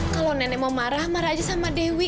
kalau nenek mau marah marah aja sama dewi